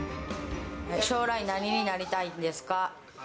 将来、何になりたいんですか？